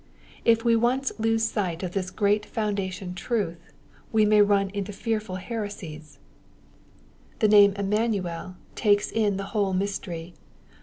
If we once lose sight of this great foundation truth, we may run into 8 SXPOSITOBT THOUUflTS. fearful heresies. The name Emmanuel takes in the whole mystery.